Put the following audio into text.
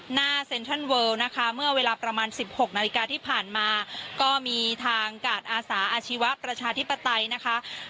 หน้าเซ็นทรัลเวิลนะคะเมื่อเวลาประมาณ๑๖นาฬิกาที่ผ่านมาก็มีทางกาดอาสาอาชีวะประชาธิปไตยนะคะ